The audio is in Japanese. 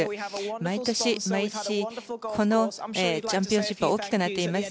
毎年、毎日このチャンピオンシップは大きくなっています。